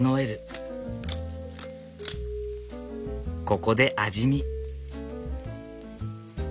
ここで味見。